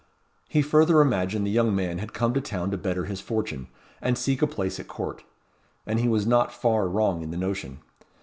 He further imagined the young man had come to town to better his fortune, and seek a place at Court; and he was not far wrong in the notion.